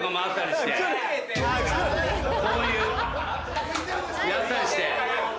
こういうやったりして。